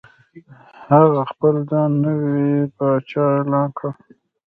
هغه خپل ځان نوی پاچا اعلان کړ.